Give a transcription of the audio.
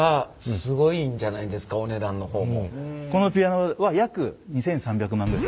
これはこのピアノは約２，３００万ぐらい。